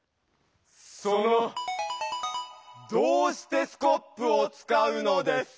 その「どうしてスコップ」をつかうのです！